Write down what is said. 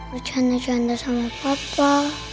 berjanda janda sama papa